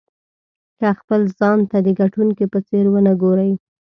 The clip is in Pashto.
که خپل ځان ته د ګټونکي په څېر ونه ګورئ.